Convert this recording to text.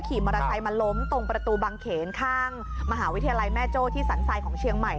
ก็ถือผีมอวัตรายมาล้มตรงประตูบังเขณฑ์ข้างมหาวิทยาลัยแม่โจ้ที่สรรไซน์ของเชียงใหม่